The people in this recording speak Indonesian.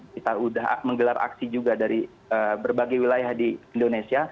kita sudah menggelar aksi juga dari berbagai wilayah di indonesia